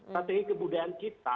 strategi kebudayaan kita